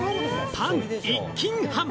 パン１斤半！